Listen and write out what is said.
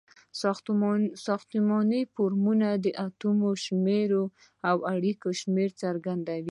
ساختمانی فورمول د اتومونو شمیر او د اړیکو شمیر څرګندوي.